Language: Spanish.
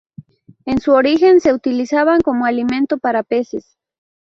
En su origen se utilizaban como alimento para peces.